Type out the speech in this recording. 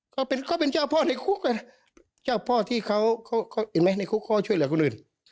ก็เป็นก็เป็นเจ้าพ่อในคุกเจ้าพ่อที่เขาเขาเขาเห็นไหมในคุกเขาช่วยหรือคนอื่น